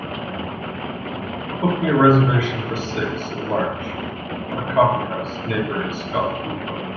Book me a reservation for six in Mar. at a coffeehouse neighboring Scott Depot